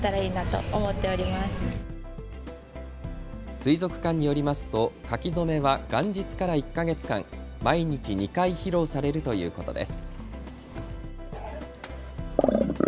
水族館によりますと書き初めは元日から１か月間、毎日２回披露されるということです。